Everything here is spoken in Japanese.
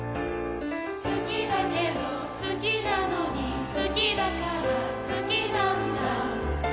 好きだけど好きなのに好きだから好きなんだ